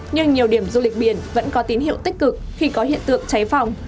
nhưng nhiều điểm du lịch biển vẫn có tín hiệu tích cực khi có hiện tượng cháy phòng